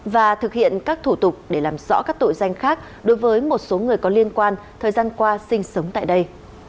và thực hiện các thủ tục để làm rõ các tội danh khác đối với một số người có liên quan thời gian qua sinh sống tại đây